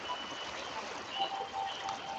Yeah, আসো।